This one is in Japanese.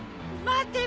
待て！